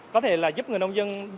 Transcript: có thể giúp người nông dân